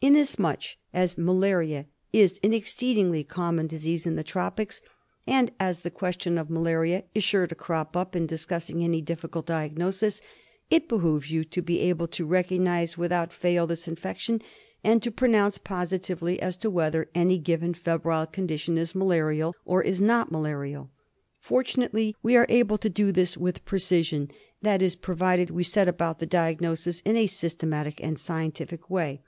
Inasmuch as malaria is an exceedingly common disease in the tropics, and as the question of malaria is sure to crop up in discussing any difficult diagnosis, it behoves you to be able to recognise without fail this infection, and to pronounce positively as to whether any given febrile condition is malarial or is not ma larial. Fortunately, we are able to do this with precision; that is, provided we set about the diagnosis in a syste matic and scientific way.